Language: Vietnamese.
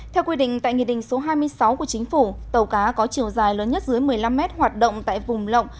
theo quy định tại nghị định số hai mươi sáu của chính phủ tàu cá có chiều dài lớn nhất dưới một mươi năm mét hoạt động tại vùng lộng